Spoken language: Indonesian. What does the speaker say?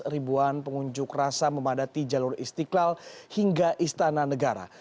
ribuan pengunjuk rasa memadati jalur istiqlal hingga istana negara